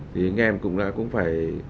thì anh em cũng đã cũng phải